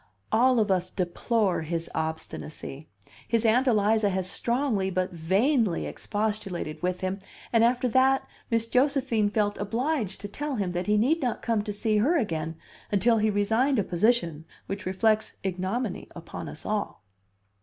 "All of us deplore his obstinacy. His Aunt Eliza has strongly but vainly expostulated with him. And after that, Miss Josephine felt obliged to tell him that he need not come to see her again until he resigned a position which reflects ignominy upon us all."